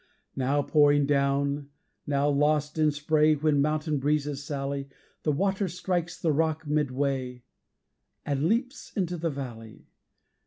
Now pouring down, now lost in spray When mountain breezes sally, The water strikes the rock midway, And leaps into the valley.